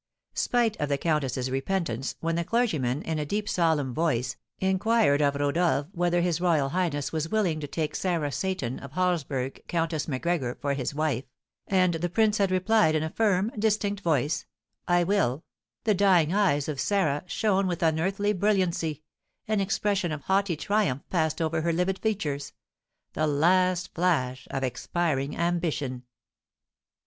Spite of the countess's repentance, when the clergyman, in a deep solemn voice, inquired of Rodolph whether his royal highness was willing to take Sarah Seyton of Halsburg, Countess Macgregor, for his wife, and the prince had replied in a firm, distinct voice, "I will," the dying eyes of Sarah shone with unearthly brilliancy, an expression of haughty triumph passed over her livid features, the last flash of expiring ambition.